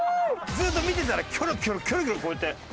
ずっと見てたらキョロキョロキョロキョロこうやって。